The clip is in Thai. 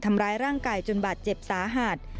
ทำร้ายร่างกายจนบาดเจ็บสาหัส